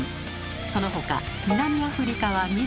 そのほか南アフリカは緑